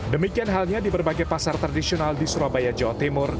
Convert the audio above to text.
demikian halnya di berbagai pasar tradisional di surabaya jawa timur